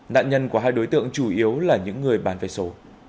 nạn nhân của hai đối tượng chủ yếu là những người bán vé số